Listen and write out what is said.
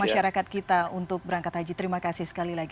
masyarakat kita untuk berangkat haji terima kasih sekali lagi